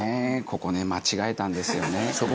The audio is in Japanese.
ここ間違えたんですよね。